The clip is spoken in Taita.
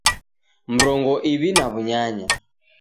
Mrongo iw'i na w'unyanya